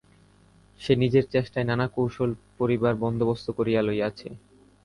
সে নিজের চেষ্টায় নানা কৌশলে পড়িবার বন্দোবস্ত করিয়া লইয়াছিল।